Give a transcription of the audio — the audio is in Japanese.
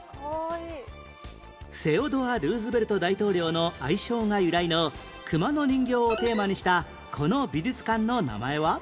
セオドア・ルーズベルト大統領の愛称が由来の熊の人形をテーマにしたこの美術館の名前は？